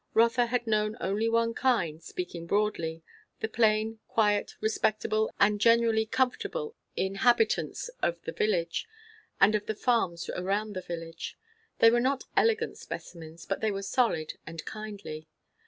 Rotha had known only one kind, speaking broadly; the plain, quiet, respectable, and generally comfortable in habitants of the village and of the farms around the village. They were not elegant specimens, but they were solid, and kindly.